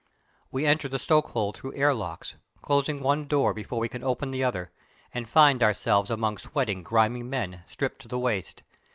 We enter the stokehold through air locks, closing one door before we can open the other, and find ourselves among sweating, grimy men, stripped to the waist.